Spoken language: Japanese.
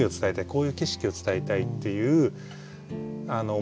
こういう景色を伝えたいっていう想い。